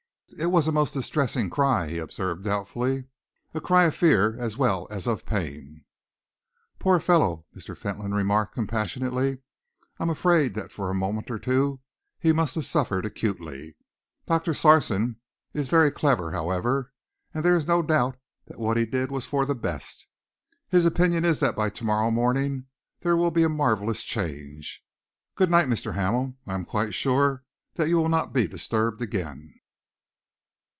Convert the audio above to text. "It was a most distressing cry," he observed doubtfully, "a cry of fear as well as of pain." "Poor fellow!" Mr. Fentolin remarked compassionately. "I am afraid that for a moment or two he must have suffered acutely. Doctor Sarson is very clever, however, and there is no doubt that what he did was for the best. His opinion is that by to morrow morning there will be a marvellous change. Good night, Mr. Hamel. I am quite sure that you will not be disturbed again."